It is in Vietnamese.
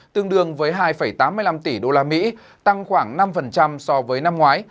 tương đương với hai tám mươi năm tỷ usd tăng khoảng năm so với năm ngoái